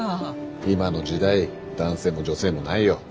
今の時代男性も女性もないよ。